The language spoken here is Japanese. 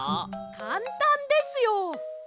かんたんですよ！